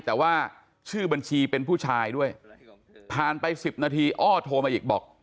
แต่ว่าชื่อบัญชีเป็นผู้ชายด้วยผ่านไป๑๐นาทีอ้อโทรมาอีกบอก